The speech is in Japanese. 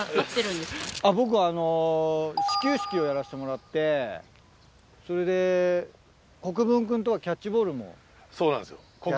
僕始球式をやらせてもらってそれで国分君とは。そうなんですよ。